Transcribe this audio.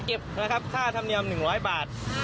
เก็บค่าธรรมเนียม๑๐๐บาท